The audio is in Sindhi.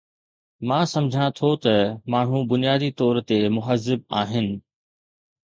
مان سمجهان ٿو ته ماڻهو بنيادي طور تي مهذب آهن